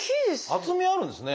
厚みあるんですね。